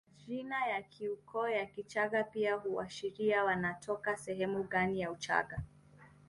Majina ya kiukoo ya Kichagga pia huashiria wanatoka sehemu gani ya Uchaga